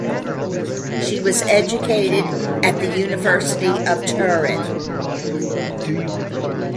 She was educated at the University of Turin.